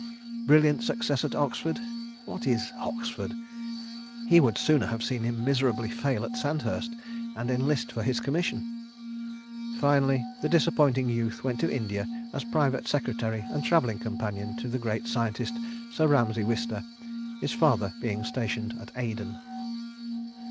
... Brilliant success at Oxford? What is Oxford? He would sooner have seen him miserably fail at Sandhurst and enlist for his commission. ... Finally the disappointing youth went to India as private secretary and travelling companion to the great scientist, Sir Ramsey Wister, his father being stationed at Aden.